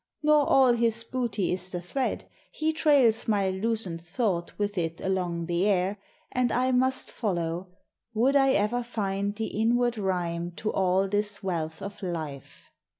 Nor all his booty is the thread ; he trails My loosened thought with it along the air, And I must follow, would I ever find The inward rhyme to all this wealth of life.